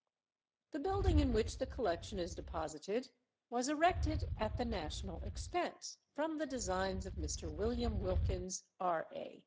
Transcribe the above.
The building in which the collection is deposited was erected at the national expense, from the designs of Mr. William Wilkins, R.A.